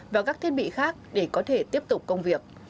và các thiết bị khác để có thể tiếp tục công việc